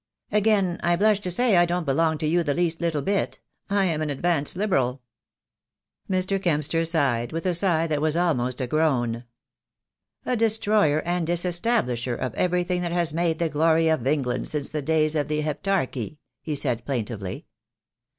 "Again I blush to say I don't belong to you the least little bit. I am an advanced Liberal." Mr. Kempster sighed, with a sigh that was almost a groan. "A destroyer and disestablisher of everything that THE DAY WILL COME. 12 1 has made the glory of England since the days of the Heptarchy," he said, plaintively.